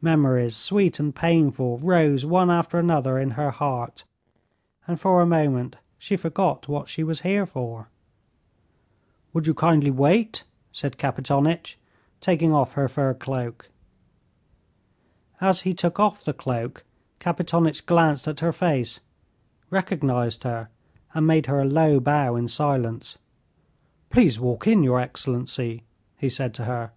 Memories sweet and painful rose one after another in her heart, and for a moment she forgot what she was here for. "Would you kindly wait?" said Kapitonitch, taking off her fur cloak. As he took off the cloak, Kapitonitch glanced at her face, recognized her, and made her a low bow in silence. "Please walk in, your excellency," he said to her.